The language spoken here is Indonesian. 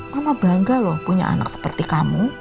kamu bangga loh punya anak seperti kamu